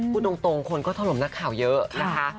พูดตรงคนก็ถล่มนักข่าวเยอะนะคะ